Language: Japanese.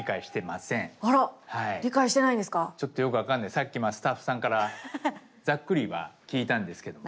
さっきスタッフさんからざっくりは聞いたんですけども。